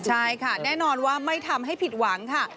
ใช่ค่ะแน่นอนว่าไม่ทำให้ผิดหวังค่ะ